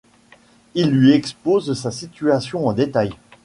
Il lui expose sa situation en détail.